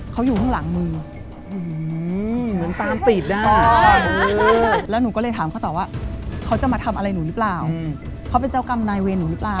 เขาอยู่ข้างหลังมือ